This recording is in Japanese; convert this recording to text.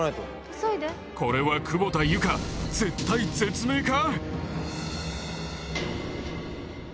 これは久保田祐佳絶体絶命か！？